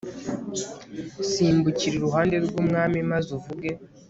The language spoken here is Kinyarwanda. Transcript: Simbukira iruhande rwUmwami maze uvuge